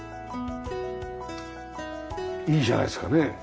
いいじゃないですかねえ。